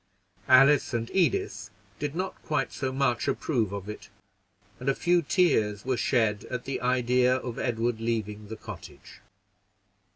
Alice and Edith did not quite so much approve of it, and a few tears were shed at the idea of Edward leaving the cottage.